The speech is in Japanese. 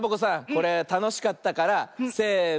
これたのしかったからせの。